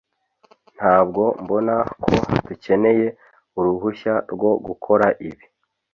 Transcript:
ntabwo mbona ko dukeneye uruhushya rwo gukora ibi